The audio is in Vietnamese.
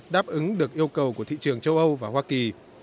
đáp ứng được yêu cầu của thị trường châu âu và hoa kỳ